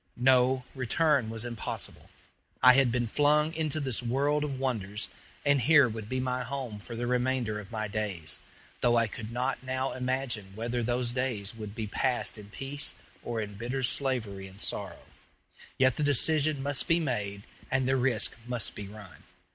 No; return was impossible. I had been flung into this world of wonders, and here would be my home for the remainder of my days; though I could not now imagine whether those days would be passed in peace or in bitter slavery and sorrow. Yet the decision must be made and the risk must be run.